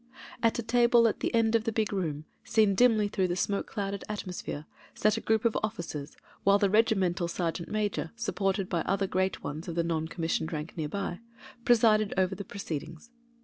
At a table at the end of the big room, seen dimly through the smoke clouded atmosphere, sat a group of officers, while the regimental sergeant major, sup ported by other great ones of the non commissioned rank near by, presided over the proceedings.